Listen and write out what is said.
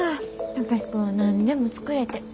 貴司君は何でも作れて。